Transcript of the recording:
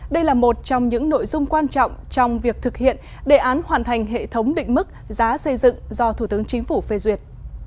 đây là một trong những nội dung quan trọng trong việc thực hiện đề án hoàn thành hệ thống định mức giá xây dựng do thủ tướng chính phủ phê duyệt